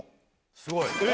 すごい。